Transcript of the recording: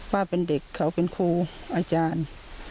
ว่าเป็นเด็กเขาเป็นครูอาจารย์